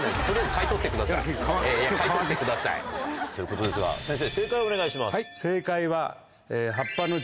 買い取ってください。ということですが先生正解をお願いします。